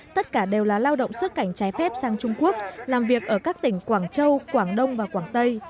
tất cả đều là lao động xuất cảnh trái phép sang trung quốc làm việc ở các tỉnh quảng châu quảng đông và quảng tây